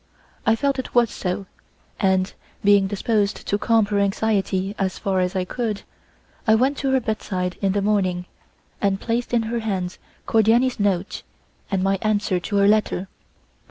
I felt it was so, and, being disposed to calm her anxiety as far as I could, I went to her bedside in the morning, and I placed in her hands Cordiani's note and my answer to her letter.